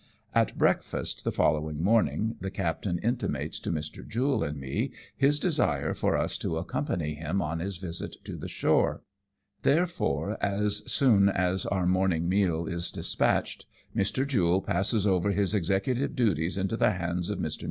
At breakfast the following morning the captain intimates to Mr. Jule and me his desire for us to ac company him on his visit to the shore ; therefore, as soon as our morning meal is dispatched, Mr. Jule passes over his executive duties into the hands of Mi* Kjo AMONG TYPHOONS AND PIRATE CRAFT.